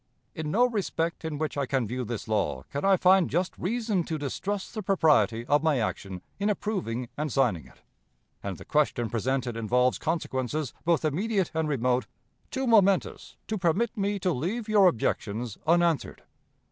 "In no respect in which I can view this law can I find just reason to distrust the propriety of my action in approving and signing it; and the question presented involves consequences, both immediate and remote, too momentous to permit me to leave your objections unanswered.